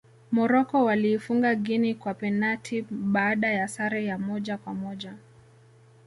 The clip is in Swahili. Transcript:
morocco waliifuga guinea kwa penati baada ya sare ya moja kwa moja